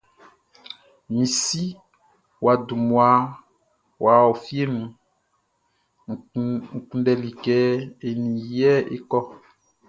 Mi si wʼa dun mmua wʼa ɔ fieʼn nun N kunndɛli kɛ e nin i é kɔ́.